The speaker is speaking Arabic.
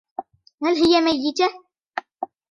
هل هي ميتة ؟